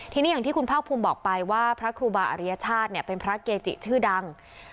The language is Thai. ทีนี้อย่างที่คุณภาคภูมิบอกไปว่าพระครูบาอริยชาติเนี่ยเป็นพระเกจิชื่อดัง